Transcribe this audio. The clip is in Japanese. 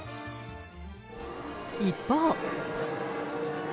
一方。